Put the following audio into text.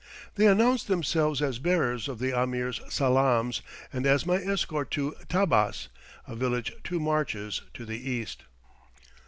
They announce themselves as bearers of the Ameer's salaams, and as my escort to Tabbas, a village two marches to the east.